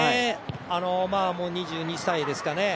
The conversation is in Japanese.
２２歳ですかね